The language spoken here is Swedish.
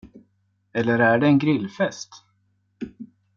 Eller är det en grillfest?